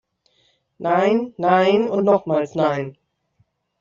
Nein, nein und nochmals nein!